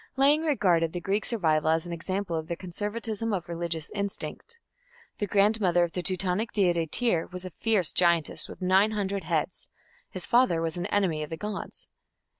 Lang regarded the Greek survival as an example of "the conservatism of the religious instinct". The grandmother of the Teutonic deity Tyr was a fierce giantess with nine hundred heads; his father was an enemy of the gods.